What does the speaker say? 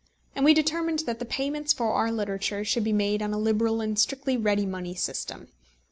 And we determined that the payments for our literature should be made on a liberal and strictly ready money system.